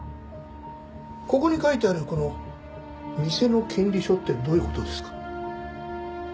ここに書いてあるこの「店の権利書」ってどういう事ですか？